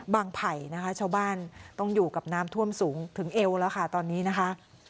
ไผ่นะคะชาวบ้านต้องอยู่กับน้ำท่วมสูงถึงเอวแล้วค่ะตอนนี้นะคะ